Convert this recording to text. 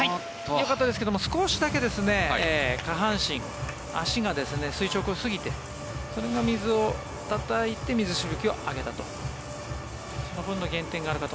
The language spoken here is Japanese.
よかったですけれども少しだけ下半身足が垂直すぎてそれが水をたたいて水しぶきを上げたと。